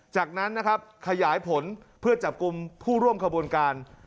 จากนั้นนะครับขยายผลเพื่อจับกลุ่มผู้ร่วมขบวนการ